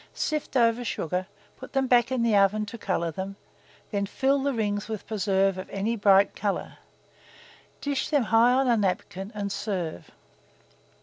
Sift over sugar, put them back in the oven to colour them; then fill the rings with preserve of any bright colour. Dish them high on a napkin, and serve.